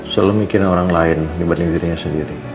selalu mikirin orang lain dibanding dirinya sendiri